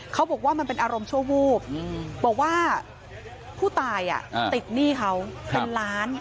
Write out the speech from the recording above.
เขาบอกว่ามันเป็นอารมณ์ชั่ววูบบอกว่าผู้ตายติดหนี้เขาเป็นล้าน